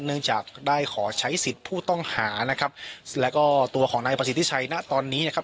เนื่องจากได้ขอใช้สิทธิ์ผู้ต้องหานะครับแล้วก็ตัวของนายประสิทธิชัยณตอนนี้นะครับ